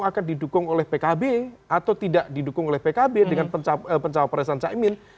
akan didukung oleh pkb atau tidak didukung oleh pkb dengan pencaparesan caimin